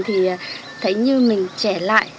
thì thấy như mình trẻ lại